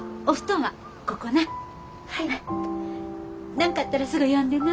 何かあったらすぐ呼んでな。